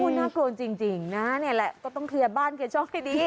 น่ากลัวจริงนะนี่แหละก็ต้องเคลียร์บ้านเคลียร์ช่องให้ดี